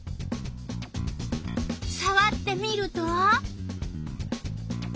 さわってみると。